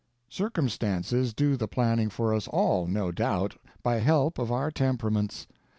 Circumstances do the planning for us all, no doubt, by help of our temperaments.